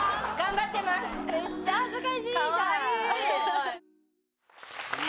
めっちゃ恥ずかしい。